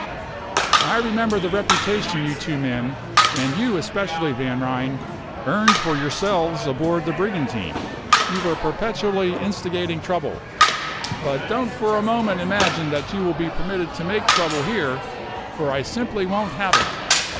I remember the reputation you two men and you especially, Van Ryn earned for yourselves aboard the brigantine; you were perpetually instigating trouble. But don't for a moment imagine that you will be permitted to make trouble here, for I simply won't have it.